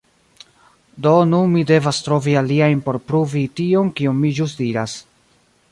Do nun mi devas trovi aliajn por pruvi tion kion mi ĵus diras.